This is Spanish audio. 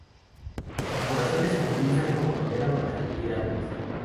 Los corazones se utilizan como moneda para adquirir armas.